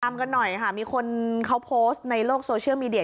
กันหน่อยค่ะมีคนเขาโพสต์ในโลกโซเชียลมีเดีย